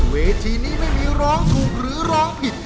เวทีนี้ไม่มีร้องถูกหรือร้องผิด